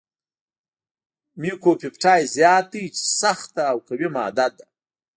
میوکوپپټایډ زیات دی چې سخته او قوي ماده ده.